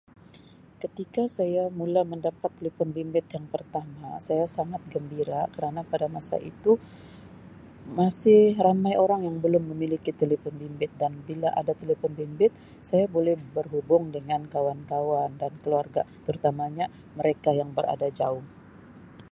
Ketika saya mula mendapat telepon bimbit yang pertama saya sangat gembira kerana pada masa itu masih ramai orang yang belum memiliki telepon bimbit dan bila ada telepon bimbit saya boleh berhubung dengan kawan-kawan dan keluarga terutamanya mereka yang berada jauh.